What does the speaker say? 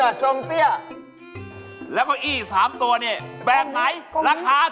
ก็ของพี่นี่ไงของมะ